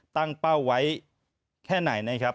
ตั้งเป้าไว้แค่ไหนนะครับ